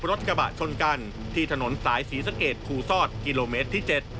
รถกระบะชนกันที่ถนนสายศรีสะเกดครูซอดกิโลเมตรที่๗